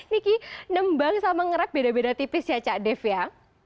niki nembang sama ngerek beda beda tipis ya cak dave ya